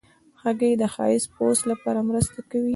هګۍ د ښایسته پوست لپاره مرسته کوي.